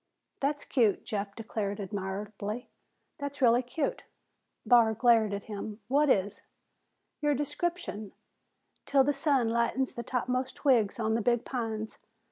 "That's cute," Jeff declared admiringly. "That's really cute!" Barr glared at him. "What is?" "Your description. ''Til the sun lightens the topmost twigs on the big pines.'